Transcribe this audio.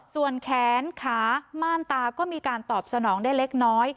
ส่วนแขนขาม่านตาก็มีการตอบสนองได้เล็กน้อย